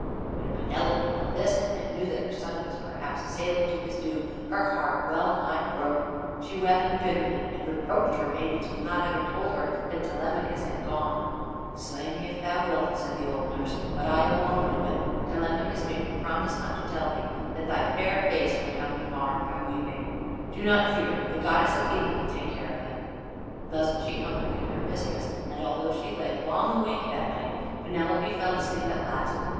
When Penelope heard this, and knew that her son was perhaps sailing to his doom, her heart well nigh broke. She wept bitterly, and reproached her maidens with not having told her that Telemachus had gone. "Slay me if thou wilt," said the old nurse, "but I alone knew it. Telemachus made me promise not to tell thee, that thy fair face might not be marred by weeping. Do not fear, the goddess Athene will take care of him." Thus she comforted her mistress, and although she lay long awake that night, Penelope fell asleep at last.